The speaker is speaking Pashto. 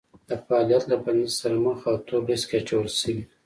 د فعالیت له بندیز سره مخ او تور لیست کې اچول شوي